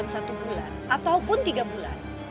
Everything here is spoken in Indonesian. satu bulan ataupun tiga bulan